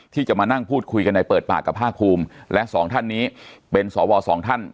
ที่จะมานั่งพูดคุยกันในเปิดปากกับภาคภูมิและสองท่านนี้เป็นสวสองท่าน